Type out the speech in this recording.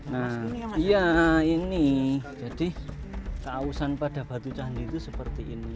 nah iya ini jadi kausan pada batu candi itu seperti ini